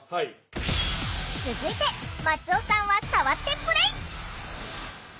続いて松尾さんは触ってプレー。